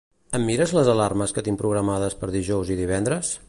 Em mires les alarmes que tinc programades per dijous i divendres?